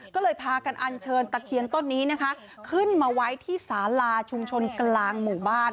ก็เลยพากันอันเชิญตะเคียนต้นนี้นะคะขึ้นมาไว้ที่สาลาชุมชนกลางหมู่บ้าน